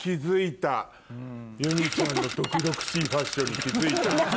祐実ちゃんの毒々しいファッションに気付いた。